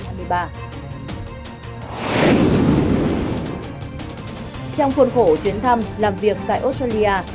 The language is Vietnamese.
trong khuôn khổ chuyến thăm làm việc tại australia